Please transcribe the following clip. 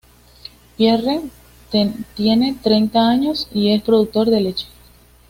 Pierre, tiene treinta años y es productor de leche.